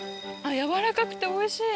やわらかくておいしい！